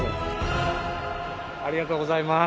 ありがとうございます。